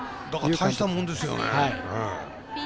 大したもんですよね。